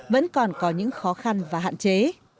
vẫn còn có những khó khăn và hạn chế